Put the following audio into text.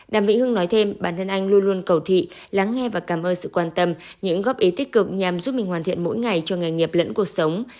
đàm vĩ hưng nói thêm bản thân anh luôn luôn cầu thị lắng nghe và cảm ơn sự quan tâm những góp ý tích cực nhằm giúp mình hoàn thiện mỗi ngày cho nghề nghiệp lẫn cuộc sống